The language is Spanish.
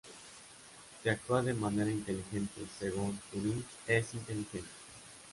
Si actúa de manera inteligente, según Turing es inteligente.